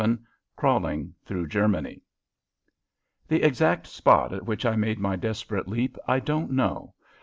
VII CRAWLING THROUGH GERMANY The exact spot at which I made my desperate leap I don't know.